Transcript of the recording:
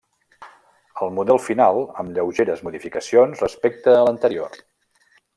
El model final, un amb lleugeres modificacions respecte a l'anterior.